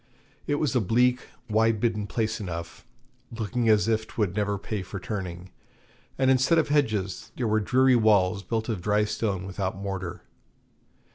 It was a bleak wide bitten place enough, looking as if 'twould never pay for turning, and instead of hedges there were dreary walls built of dry stone without mortar.